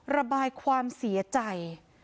ระบายความเสียใจ